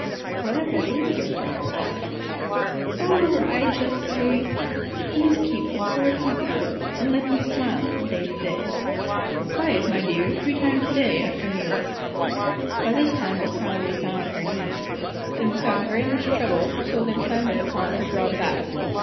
"Whatever is your prayer?" asked Coppertop. "Oh, I just say Please keep the horrid Hump away, And let me smile from day to day. Try it, my dear, three times a day, after meals." By this time Miss Smiler was down on her knees, and without very much trouble the children clambered upon her broad back.